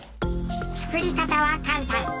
作り方は簡単。